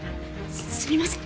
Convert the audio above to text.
すみません！